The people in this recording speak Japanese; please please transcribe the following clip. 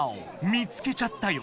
見つけちゃったよ